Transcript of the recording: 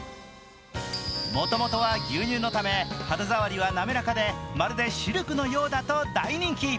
もともとは牛乳のため肌触りは滑らかでまるでシルクのようだと大人気。